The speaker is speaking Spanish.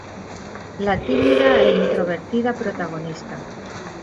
La tímida e introvertida protagonista.